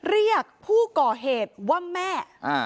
เรียกผู้ก่อเหตุว่าแม่